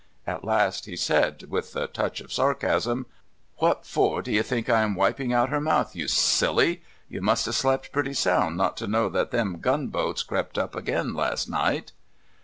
At last he said, with a touch of sarcasm: "What for do you think I am wiping out her mouth, you silly! You must have slept pretty sound not to know that them gun boats crept up again last night."